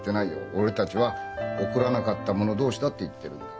俺たちは怒らなかった者同士だって言ってるんだ。